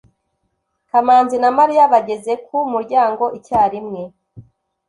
kamanzi na mariya bageze ku muryango icyarimwe